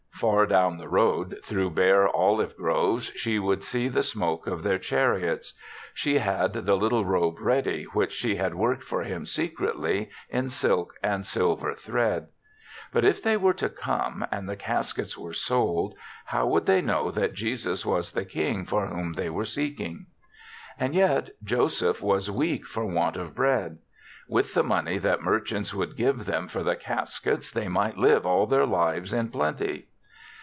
Far down the road through bare olive groves, she would see the smoke of their chariots. She had the little robe ready, which she had worked for him secretly in silk and silver thread. But if they were to come and the caskets were sold, how would they know that Jesus was the king for whom they were seeking? And yet Joseph was weak for want df bread. With the money that mer chants would give them for the cas kets they might live all their lives in plenty.